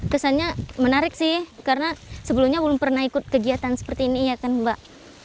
kesannya menarik sih karena sebelumnya belum pernah ikut kegiatan seperti ini ya kan mbak